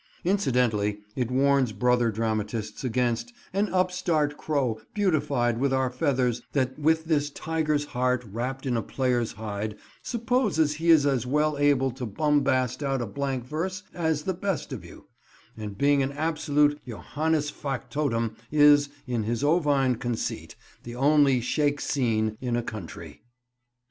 Incidentally it warns brother dramatists against "an upstart Crow, beautified with our feathers that with his Tygers heart wrapt in a players hide supposes he is as well able to bumbast out a blanke verse as the best of you; and being an absolute Johannes factotum is, in his ovine conceite, the only Shake scene in a countrie."